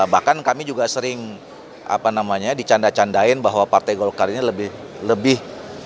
bahkan kami juga sering dicanda candain bahwa partai golkadi ini lebih